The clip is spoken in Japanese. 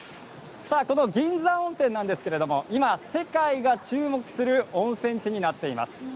この銀山温泉なんですが今、世界が注目する温泉地になっています。